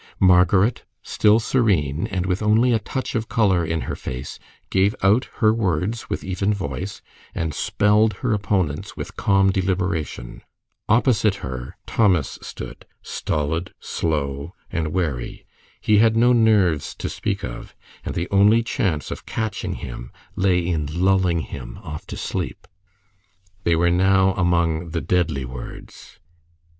Margaret, still serene, and with only a touch of color in her face, gave out her words with even voice, and spelled her opponent's with calm deliberation. Opposite her Thomas stood, stolid, slow, and wary. He had no nerves to speak of, and the only chance of catching him lay in lulling him off to sleep. They were now among the deadly words.